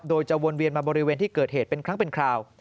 โดยจะวนเวียนมาบริเวณที่เกิดเหตุเป็นครั้งเป็นคราว